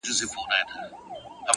پوه انسان د پوښتنې ارزښت پېژني.